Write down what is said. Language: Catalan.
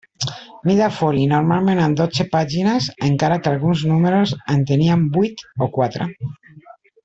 Mida foli, normalment amb dotze pàgines, encara que alguns números en tenien vuit o quatre.